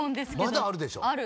まだあるでしょ。